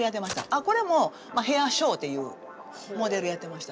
あっこれもヘアショーっていうモデルやってました。